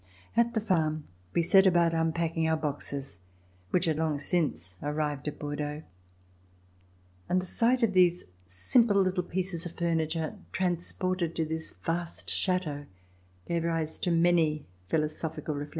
At the farm we set about unpacking our boxes which had long since arrived at Bordeaux, and the sight of these simple little pieces of furniture, transported to this vast chateau, gave rise to many philosophical reflections.